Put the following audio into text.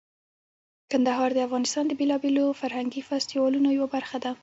کندهار د افغانستان د بیلابیلو فرهنګي فستیوالونو یوه برخه ده.